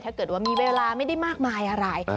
ถ้าเกิดว่ามีเวลาไม่ได้มากมายอะไร